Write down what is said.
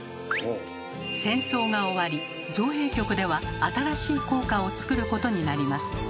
戦争が終わり造幣局では新しい硬貨をつくることになります。